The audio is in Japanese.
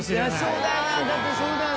だってそうだよな。